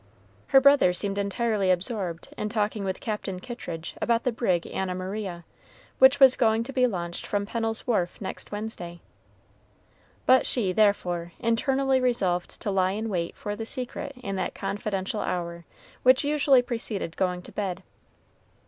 Her brother seemed entirely absorbed in talking with Captain Kittridge about the brig Anna Maria, which was going to be launched from Pennel's wharf next Wednesday. But she, therefore, internally resolved to lie in wait for the secret in that confidential hour which usually preceded going to bed.